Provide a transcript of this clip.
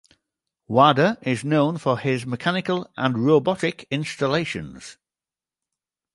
Wada is also known for his mechanical and robotic installations.